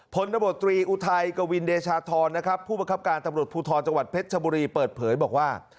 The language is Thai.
ผลตำรวจตรีอุทัยกวินเดชาธรนะครับผู้บังคับการตำรวจภูทรจังหวัดเพชรชบุรีเปิดเผยบอกว่า